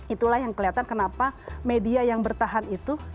itulah yang kelihatan kenapa media yang bertahan itu